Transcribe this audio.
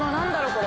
これ。